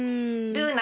ルーナ。